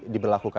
di belakang kota